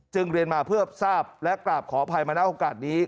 เรียนมาเพื่อทราบและกราบขออภัยมาณโอกาสนี้